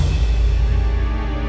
aku mau kemana